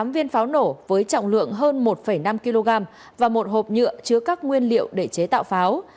tám viên pháo nổ với trọng lượng hơn một năm kg và một hộp nhựa chứa các nguyên liệu để chế tạo pháo